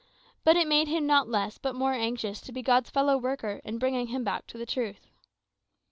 But it made him, not less, but more anxious to be God's fellow worker in bringing him back to the truth.